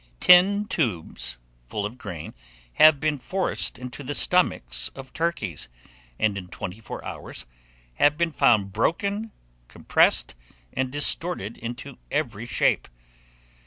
Tin tubes, full of grain, have been forced into the stomachs of turkeys, and in twenty four hours have been found broken, compressed, and distorted into every shape.